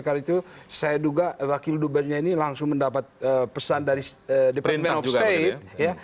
karena itu saya duga wakil dubesnya ini langsung mendapat pesan dari departemen of state